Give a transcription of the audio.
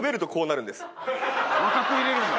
若くいられるんだ。